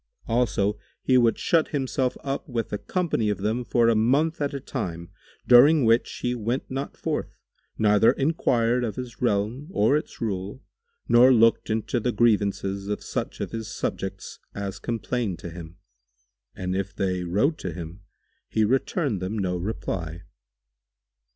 Also he would shut himself up with a company of them for a month at a time, during which he went not forth neither enquired of his realm or its rule nor looked into the grievances of such of his subjects as complained to him; and if they wrote to him, he returned them no reply.